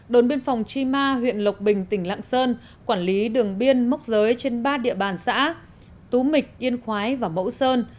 đồn biên phòng chi ma huyện lộc bình tỉnh lạng sơn quản lý đường biên mốc giới trên ba địa bàn xã tú mịch yên khói và mẫu sơn